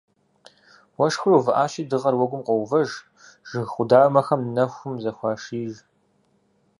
Уэшхыр увыӏащи, дыгъэр уэгум къоувэж, жыг къудамэхэм нэхум зыхуаший.